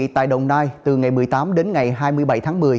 tại đồng nai từ ngày một mươi tám đến ngày hai mươi bảy tháng một mươi